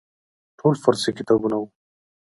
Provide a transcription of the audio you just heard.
ټول فارسي کتابونه وو.